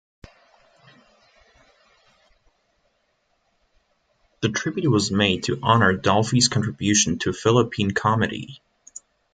The tribute was made to honor Dolphy's contribution to Philippine Comedy.